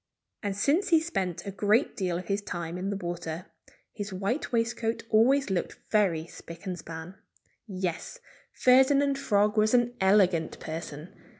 And since he spent a great deal of his time in the water, his white waistcoat always looked very spick and span. Yes! Ferdinand Frog was an elegant person.